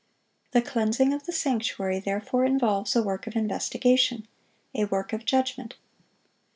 The cleansing of the sanctuary therefore involves a work of investigation,—a work of judgment.